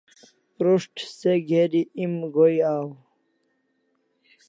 Prus't se geri em go'in aw